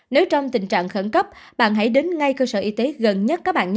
nếu trong tình trạng khẩn cấp bạn hãy đến ngay cơ sở y tế gần nhất các bạn